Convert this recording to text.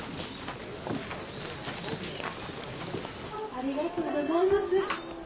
ありがとうございます。